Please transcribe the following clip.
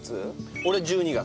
俺１２月。